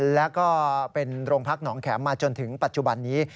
แล้วก็เป็นโรงพักหนองแข็มมาจนถึงปัจจุบันนี้